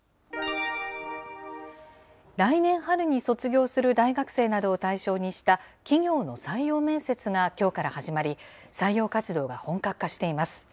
来年春に卒業する大学生などを対象にした企業の採用面接がきょうから始まり、採用活動が本格化しています。